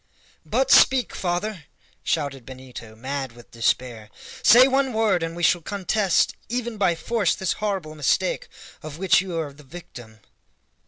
"But speak, father!" shouted Benito, mad with despair; "say one word, and we shall contest even by force this horrible mistake of which you are the victim!"